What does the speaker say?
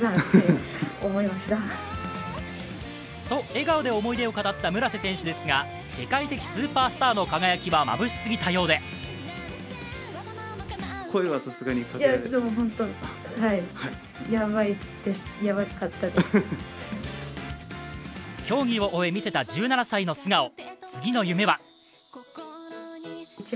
と笑顔で思い出を語った村瀬選手ですが世界的スーパースターの輝きはまぶしすぎたようで競技を終え見せた１７歳の素顔。